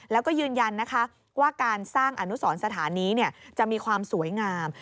แล้วก็ยืนยันนะคะว่าการสร้างอนุสรสถานนี้จะมีความสวยงาม